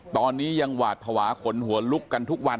ตอนนี้ยังหวาดภาวะขนหัวลุกกันทุกวัน